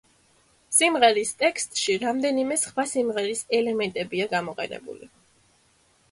სიმღერის ტექსტში რამდენიმე სხვა სიმღერის ელემენტებია გამოყენებული.